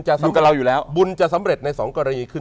ใช่คือบุญจะสำเร็จในสองกรณีคือ